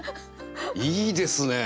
いいですね。